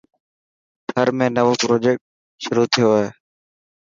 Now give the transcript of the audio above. ٿر ۾ نوو پروجيڪٽ شروع ٿيو هي.